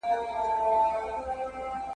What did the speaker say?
د ادم د رباب سور ته پایزېبونه شرنګومه ..